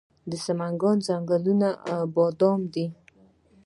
د سمنګان ځنګلونه بادام دي